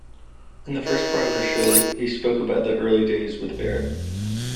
In the first part of this show he spoke about early days with Barrett.